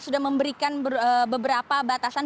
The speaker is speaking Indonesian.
sudah memberikan beberapa batasan